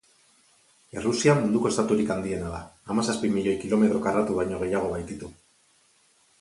Errusia munduko estaturik handiena da, hamazazpi milioi kilometro karratu baino gehiago baititu.